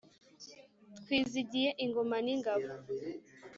twizigiye ingoma n'ingabo